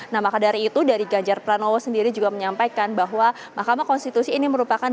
nah maka dari itu dari ganjar pranowo sendiri juga menyampaikan bahwa mahkamah konstitusi ini merupakan